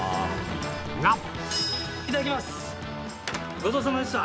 ごちそうさまでした。